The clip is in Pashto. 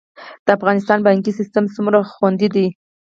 د افغانستان بانکي سیستم څومره خوندي دی؟